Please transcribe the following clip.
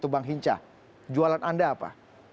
bang hinca jualan anda apa